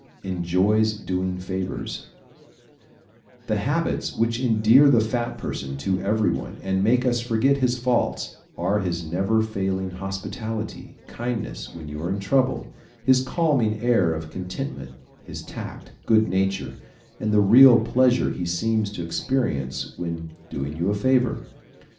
Enjoys Doing Favors ¶ The habits which endear the fat person to everyone and make us forget his faults are his never failing hospitality, kindness when you are in trouble, his calming air of contentment, his tact, good nature and the real pleasure he seems to experience when doing you a favor.